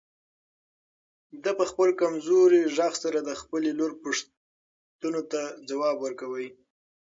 ده په خپل کمزوري غږ سره د خپلې لور پوښتنو ته ځواب ورکاوه.